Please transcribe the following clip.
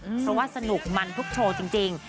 เพราะว่าสนุกมันทุกโชว์จริง